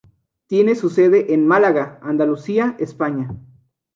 Tiene su sede en Málaga, Andalucía, España.